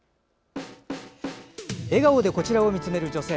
笑顔でこちらを見つめる女性。